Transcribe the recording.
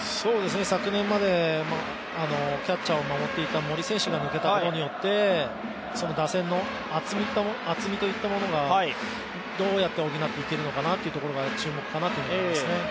昨年までキャッチャーを守っていた森選手が抜けたことによって、その打線の厚みといったものがどうやって補っていけるかなというところが、注目かなと思いますね。